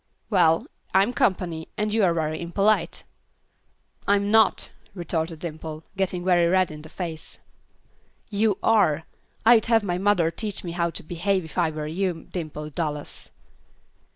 "Well, I'm company, and you're very impolite." "I'm not," retorted Dimple, getting very red in the face. "You are. I'd have my mother teach me how to behave, if I were you, Dimple Dallas."